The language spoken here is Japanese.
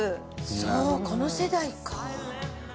そうこの世代か。